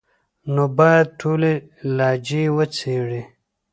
نو بايد ټولي لهجې وڅېړي،